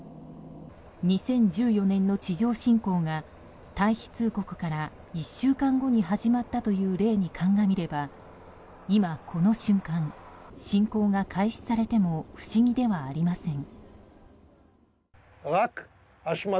２０１４年の地上侵攻が退避通告から１週間後に始まったという例に鑑みれば今この瞬間、侵攻が開始されても不思議ではありません。